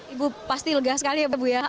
ibu pasti lega sekali ya ibu ya